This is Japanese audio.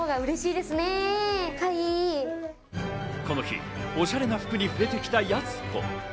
この日、おしゃれな服に触れてきた、やす子。